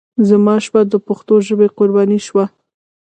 زما شپه د پښتو ژبې قرباني شوه.